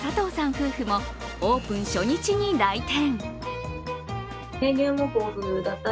夫婦もオープン初日も来店。